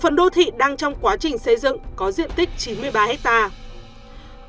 một phần đô thị đang trong quá trình xây dựng có diện tích chín mươi ba hectare